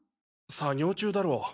作業中だろ。